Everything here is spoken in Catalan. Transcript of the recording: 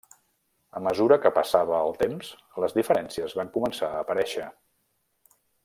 A mesura que passava el temps, les diferències van començar a aparèixer.